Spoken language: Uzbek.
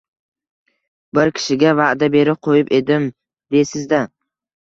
Bir kishiga va’da berib qo‘yib edim, deysiz-da